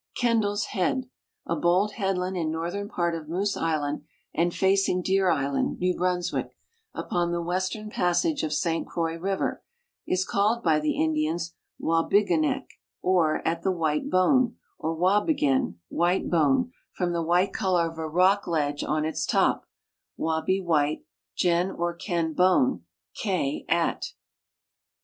Kendall's head, a bold headland in northern part of Moose island and facing Deer island. New Brunswick, upon the "western passage" of St Croi.x; river, is called by the Indians Wabigenek, or " at the white bone," or Wabigen, "white bone," from the white color of a rock ledge on its top; wabi, white ; gen or ken, bone; k, at.